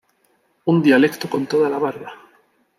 Un dialecto con toda la barba".